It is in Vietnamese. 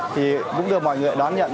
thì cũng được mọi người đón nhận